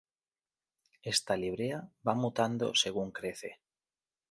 Esta librea va mutando según crece.